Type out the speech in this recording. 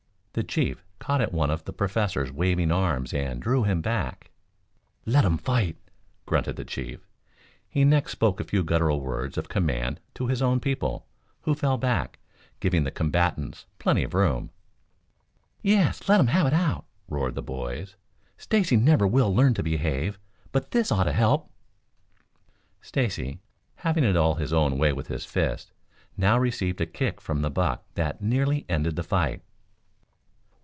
The chief caught at one of the Professor's waving arms and drew him back. "Let um fight," grunted the chief. He next spoke a few guttural words of command to his own people, who fell back, giving the combatants plenty of room. "Yes, let 'em have it out!" roared the boys. "Stacy never will learn to behave, but this ought to help." Stacy, having it all his own way with his fists, now received a kick from the buck that nearly ended the fight.